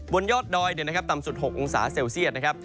บนยอดดอยต่ำสุด๖องศาเซลเซียตนะครับ